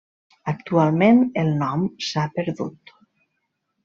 Actualment el nom s'ha perdut.